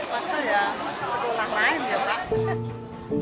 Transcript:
masa ya sekitar lain ya pak